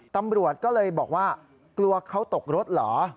ตำรวจก็เลยบอกว่ากลัวเขาตกรถเหรอ